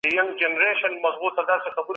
د بې وزلو سره احسان وکړئ.